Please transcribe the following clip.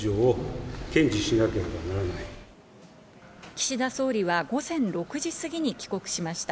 岸田総理は午前６時過ぎに帰国しました。